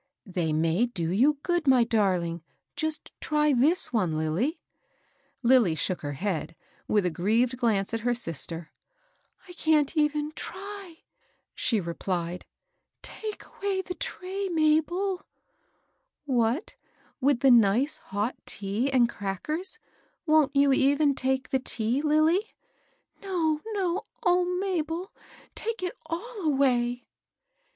" They may do you good, my darling. Just try this one, Lilly." Lilly shook her head, with a grieved glance at her sister. " I can't even try," she replied. *' Take away the tray, Mabel I " "What, with the nice hot tea and crackers? Wont you even take the tea, Lilly ?"" No, no I — O Mabel I take it all away